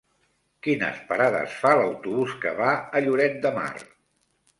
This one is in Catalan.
Quines parades fa l'autobús que va a Lloret de Mar?